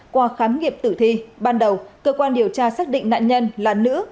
qua khám nghiệm tử thi ban đầu cơ quan điều tra xác định nạn nhân là nữ